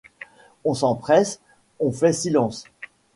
On s’empresse, on fait silence.